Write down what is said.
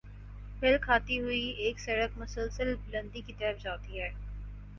بل کھاتی ہوئی ایک سڑک مسلسل بلندی کی طرف جاتی ہے۔